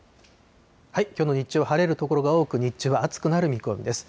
きょうの日中は晴れる所が多く、日中は暑くなる見込みです。